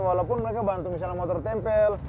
walaupun mereka bantu misalnya motor tempel